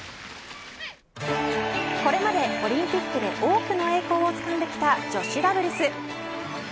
これまでオリンピックで多くの栄光をつかんできた女子ダブルス。